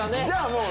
もう。